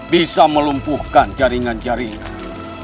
bisa melumpuhkan jaringan jaringan